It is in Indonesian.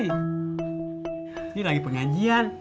ini lagi pengajian